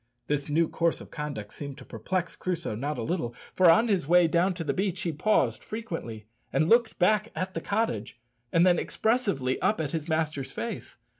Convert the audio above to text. This new course of conduct seemed to perplex Crusoe not a little, for on his way down to the beach he paused frequently and looked back at the cottage, and then expressively up at his master's face.